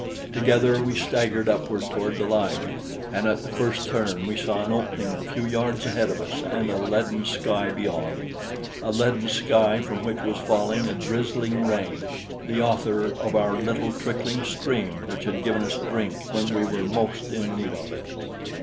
Together we staggered upward toward the light, and at the first turn we saw an opening a few yards ahead of us and a leaden sky beyond a leaden sky from which was falling a drizzling rain, the author of our little, trickling stream which had given us drink when we were most in need of it.